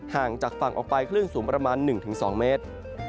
ห่างจากฝั่งออกไปคลื่นสูงประมาณ๑๒เมตร